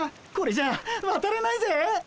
これじゃわたれないぜ！